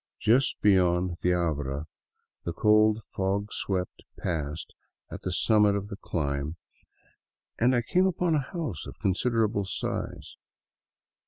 Just beyond the abra, the cold, fog swept pass at the summit of the climb, I came upon a house of considerable size.